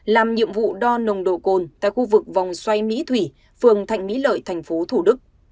làm nhiệm vụ đo nồng độ cồn tại khu vực vòng xoay mỹ thủy phường thạnh mỹ lợi thành phố thủ đức